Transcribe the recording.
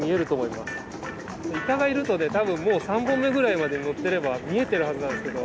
イカがいるとね多分もう３本目ぐらいまでのってれば見えてるはずなんですけど。